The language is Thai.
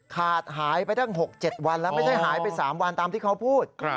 ขาดหายไปตั้ง๖๗วันแล้วไม่ใช่หายไป๓วันตามที่เขาพูด